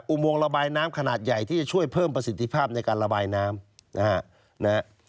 อุโมงระบายน้ำขนาดใหญ่ที่จะช่วยเพิ่มประสิทธิภาพในการระบายน้ำนะฮะ